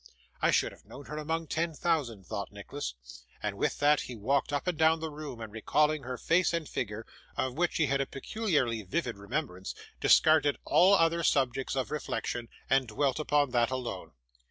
'I should have known her among ten thousand,' thought Nicholas. And with that he walked up and down the room, and recalling her face and figure (of which he had a peculiarly vivid remembrance), discarded all other subjects of reflection and dwelt upon that alone.